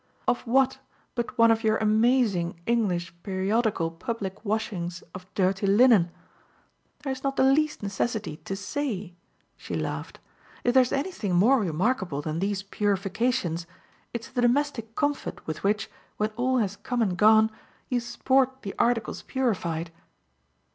"Of what but one of your amazing English periodical public washings of dirty linen? There's not the least necessity to 'say'!" she laughed. "If there's anything more remarkable than these purifications it's the domestic comfort with which, when all has come and gone, you sport the articles purified."